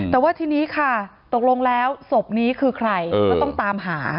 แต่ว่าทีนี้ค่ะตกลงแล้วศพนี้คือใครก็ต้องตามหา